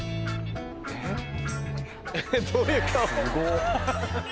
えっ？